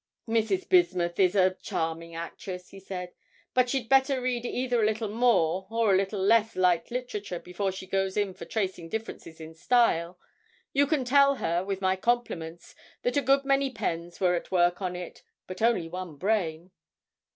'Mrs. Bismuth is a charming actress,' he said, 'but she'd better read either a little more or a little less light literature before she goes in for tracing differences in style. You can tell her, with my compliments, that a good many pens were at work on it, but only one brain.